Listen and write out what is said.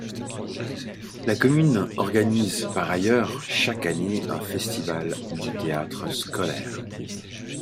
La commune organise par ailleurs chaque année un festival du théâtre scolaire.